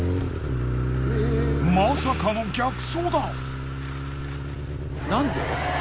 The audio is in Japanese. まさかの逆走だ！